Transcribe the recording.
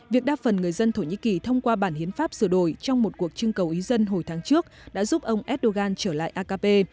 việc đa phần người dân thổ nhĩ kỳ thông qua bản hiến pháp sửa đổi trong một cuộc trưng cầu ý dân hồi tháng trước đã giúp ông erdogan trở lại akb